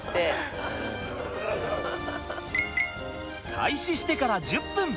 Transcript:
開始してから１０分。